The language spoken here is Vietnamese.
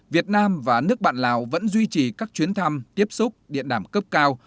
việt nam và nước bạn lào vẫn duy trì các chuyến thăm tiếp xúc điện đàm cấp cao